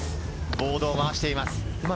ボードを回しています。